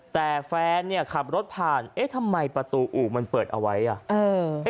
แต่แฟนเนี่ยขับรถผ่านเอ๊ะทำไมประตูอู่มันเปิดเอาไว้อ่ะเออ